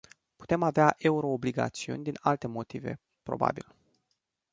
Putem avea euroobligațiuni din alte motive, probabil.